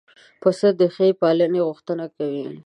پسه د ښې پالنې غوښتنه کوي.